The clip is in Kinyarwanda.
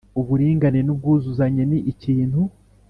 Uburinganire n ubwuzuzanye ni ikintu